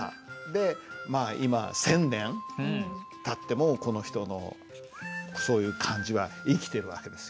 でまあ今千年たってもこの人のそういう感じは生きてる訳ですよ。